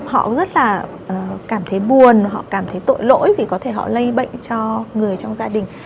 họ rất là cảm thấy buồn họ cảm thấy tội lỗi vì có thể họ lây bệnh cho người trong gia đình